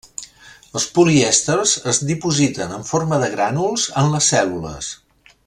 Els polièsters es dipositen en forma de grànuls en les cèl·lules.